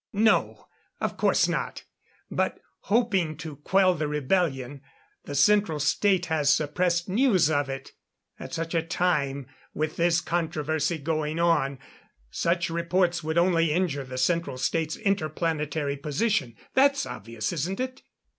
"No, of course not. But hoping to quell the rebellion, the Central State has suppressed news of it. At such a time with this controversy going on such reports would only injure the Central State's inter planetary position. That's obvious, isn't it?